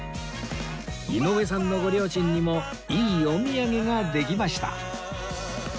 井上さんのご両親にもいいお土産ができました